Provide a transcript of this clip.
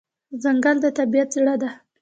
ځنګل د طبیعت زړه دی.